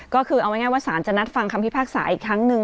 ก็คือเอาง่ายว่าสารจะนัดฟังคำพิพากษาอีกครั้งหนึ่ง